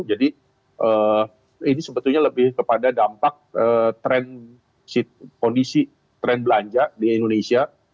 jadi ini sebetulnya lebih kepada dampak kondisi tren belanja di indonesia